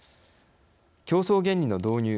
競争原理の導入